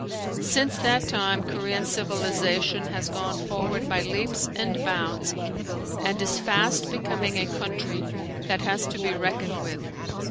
Since that time Korean civilization has gone forward by leaps and bounds and is fast becoming a country that has to be reckoned with.